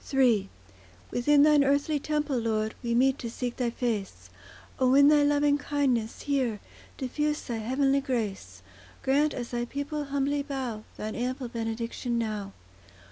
III Within Thine earthly temple, Lord, We meet to seek Thy face; O in Thy loving kindness, hear, Diffuse Thy heavenly grace; Grant, as Thy people humbly bow, Thine ample benediction now.